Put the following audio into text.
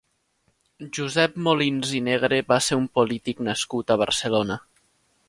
Josep Molins i Negre va ser un polític nascut a Barcelona.